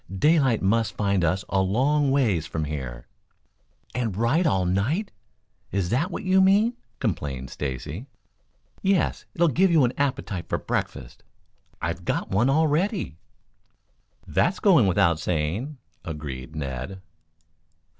"Daylight must find us a long ways from here." "And ride all night is that what you mean?" complained Stacy. "Yes; it'll give you an appetite for breakfast." "I've got one already." "That goes without saying," agreed Ned.